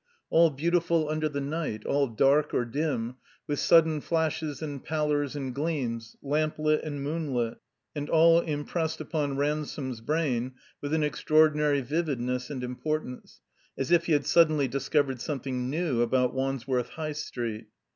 All beautiful tmder the night, adl dark or dim, with sudden flashes and pallors 3a THE COMBINED MAZE and gleams, lamplit and moonlit; and all impressed upon Ransome's brain with an extraordinary vivid ness and importance, as if he had suddenly discovered something new about Wandsworth High Street.